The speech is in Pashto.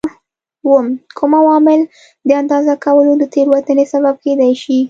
اووم: کوم عوامل د اندازه کولو د تېروتنې سبب کېدای شي؟